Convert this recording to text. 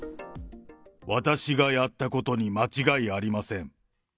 私がやったことに間違いありません。